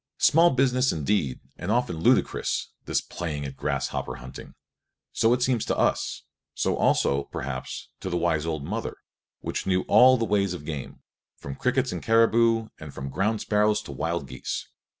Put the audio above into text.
Small business indeed and often ludicrous, this playing at grasshopper hunting. So it seems to us; so also, perhaps, to the wise old mother, which knew all the ways of game, from crickets to caribou and from ground sparrows to wild geese.